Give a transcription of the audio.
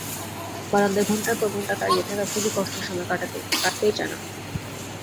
বারান্দায় ঘন্টার পর ঘন্টা দাঁড়িয়ে থাকা খুবই কষ্টের সময় কাটতেই চায় না।